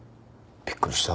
びっくりした。